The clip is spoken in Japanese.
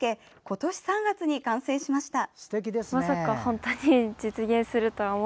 今年３月に完成しました。